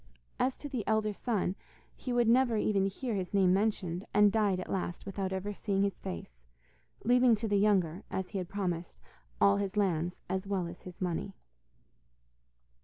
As to the elder son, he would never even hear his name mentioned, and died at last without ever seeing his face, leaving to the younger, as he had promised, all his lands, as well as his money.